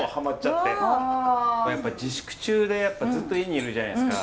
やっぱ自粛中でずっと家にいるじゃないですか。